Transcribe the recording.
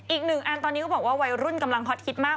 อีกหนึ่งอันตอนนี้เขาบอกว่าวัยรุ่นกำลังฮอตฮิตมาก